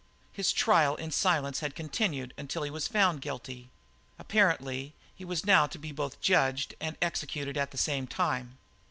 His trial in silence had continued until he was found guilty. Apparently, he was now to be both judged and executed at the same time.